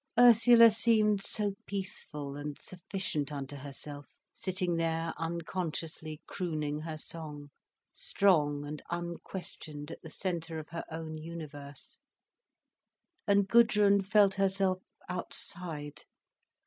Ursula seemed so peaceful and sufficient unto herself, sitting there unconsciously crooning her song, strong and unquestioned at the centre of her own universe. And Gudrun felt herself outside.